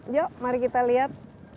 yuk mari kita lihat